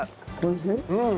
うん！